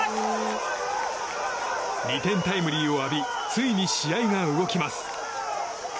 ２点タイムリーを浴びついに、試合が動きます。